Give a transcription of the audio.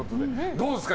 どうですか？